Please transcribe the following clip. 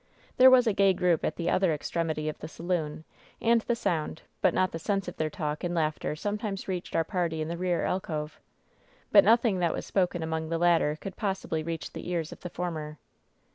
There was a gay group at the other extremity of the saloon, and the sound but not the sense of their talk and laughter sometimes reached our party in the rear alcove. But nothing that was spoken among the latter could possibly reach the ears of the former.